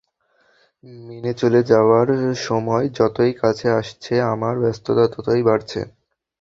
মেয়ে চলে যাওয়ার সময় যতই কাছে আসছে আমার ব্যস্ততা ততই বাড়ছে।